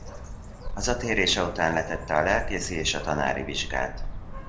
Hazatérése után letette a lelkészi és a tanári vizsgát.